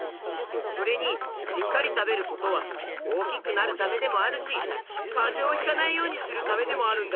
それにしっかりたべることはおおきくなるためでもあるしかぜをひかないようにするためでもあるんだよ。